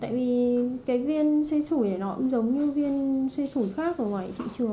tại vì cái viên xê sủi này nó giống như viên xê sủi khác ở ngoài thị trường